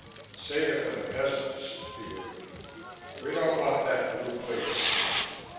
"Save it for the peasants," he ordered. "We don't want that Blue Plate slop.